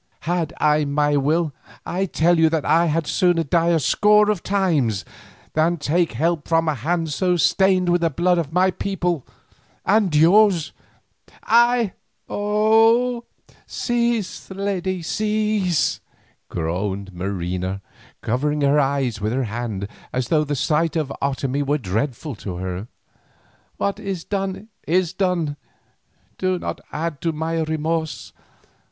Had I my will, I tell you that I had sooner die a score of times than take help from a hand so stained with the blood of my people and of yours—I—" "Oh! cease, lady, cease," groaned Marina, covering her eyes with her hand, as though the sight of Otomie were dreadful to her. "What is done is done; do not add to my remorse.